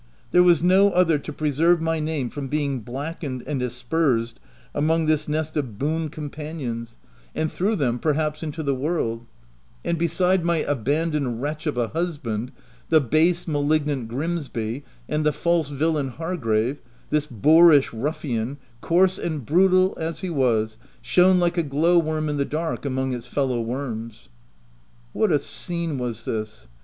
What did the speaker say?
There was no other to pre serve my name from being blackened and as persed among this nest of boon companions, 52 THE TENANT and through them, perhaps into the world ; and beside my abandoned wretch of a husband, the base, malignant Grimsby, and the false vil lain Hargrave, this boarish ruffian, coarse and brutal as he was, shone like a glow T worm in the dark, among its fellow worms. What a scene was this